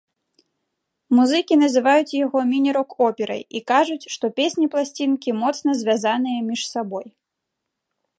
Музыкі называюць яго міні-рок-операй і кажуць, што песні пласцінкі моцна звязаныя між сабой.